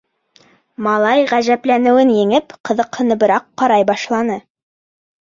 Малай ғәжәпләнеүен еңеп, ҡы-ҙыҡһыныбыраҡ ҡарай башланы.